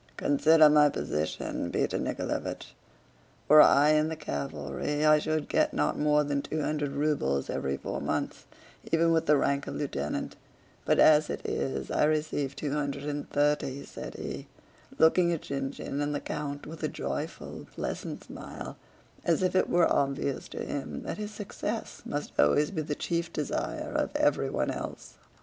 "Consider my position, Peter Nikoláevich. Were I in the cavalry I should get not more than two hundred rubles every four months, even with the rank of lieutenant; but as it is I receive two hundred and thirty," said he, looking at Shinshín and the count with a joyful, pleasant smile, as if it were obvious to him that his success must always be the chief desire of everyone else.